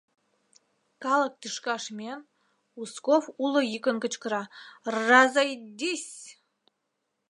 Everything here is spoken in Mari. Калык тӱшкаш миен, Узков уло йӱкын кычкыра: — Рр-а-зойди-и-сь!